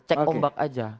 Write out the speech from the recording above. cek ombak saja